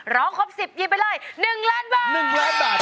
ร้องครบ๑๐ยินไปเลย๑ล้านบาท